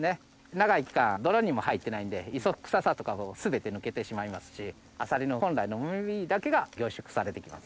長い期間泥にも入ってないんで磯臭さとかも全て抜けてしまいますしあさりの本来のうま味だけが凝縮されてきます。